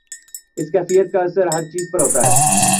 اس کیفیت کا اثر ہر چیز پہ ہوتا ہے۔